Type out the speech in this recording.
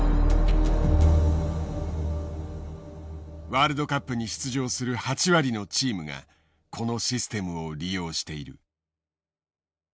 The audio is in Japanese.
ワールドカップに出場する８割のチームがこのシステムを利用している。